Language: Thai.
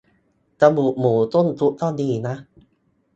กระดูกหมูต้มซุป ก็ดีนะ